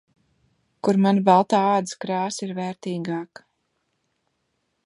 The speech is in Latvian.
Kur ‘mana baltā ādas krāsa ir vērtīgāka’.